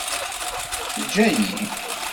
Teǧǧa-yi.